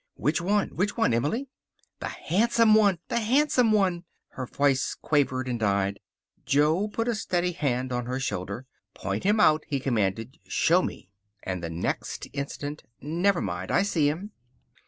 "Which one? Which one, Emily?" "The handsome one. The handsome one." Her voice quavered and died. Jo put a steady hand on her shoulder. "Point him out," he commanded "Show me." And the next instant, "Never mind. I see him."